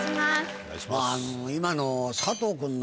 今の。